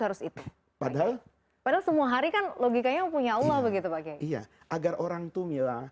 harus itu padahal padahal semua hari kan logikanya punya allah begitu pak kiai iya agar orang tuh mila